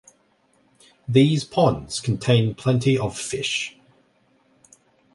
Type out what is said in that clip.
These ponds contain plenty of fish.